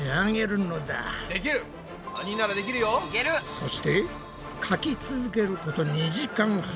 そしてかき続けること２時間半。